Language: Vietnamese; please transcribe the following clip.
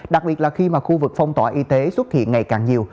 đặc biệt là khi mà khu vực phong tỏa y tế xuất hiện ngày càng nhiều